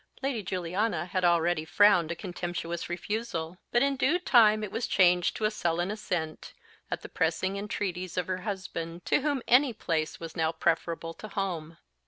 Lady Juliana had already frowned a contemptuous refusal, but in due time it was changed to a sullen assent, at the pressing entreaties of her husband, to whom any place was now preferable to home.